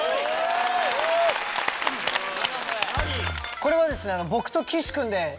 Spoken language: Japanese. これはですね。